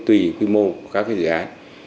tùy quy mô các cái dự án